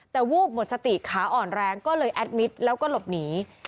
แต่วูบหมดสติขาอ่อนแรงก็เลยแอดมิตรแล้วก็หลบหนี